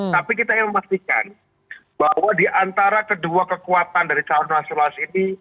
tapi kita ingin memastikan bahwa diantara kedua kekuatan dari calon nasional ini